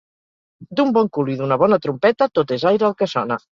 D'un bon cul i d'una bona trompeta, tot és aire el que sona.